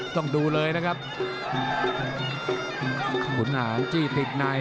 ต้องดูเลยนะครับ